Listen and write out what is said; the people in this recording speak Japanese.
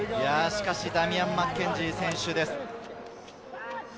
ダミアン・マッケンジー選手です。